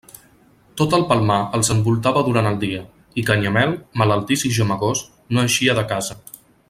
Tot el Palmar els envoltava durant el dia, i Canyamel, malaltís i gemegós, no eixia de casa.